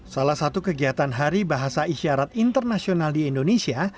salah satu kegiatan hari bahasa isyarat internasional di indonesia